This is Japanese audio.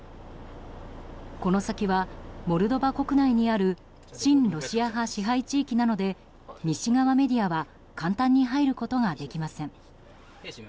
この先はモルドバ国内にある親ロシア派支配地域なので西側メディアは簡単に入ることができません。